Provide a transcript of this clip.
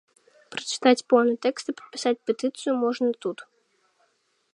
Прачытаць поўны тэкст і падпісаць петыцыю можна тут.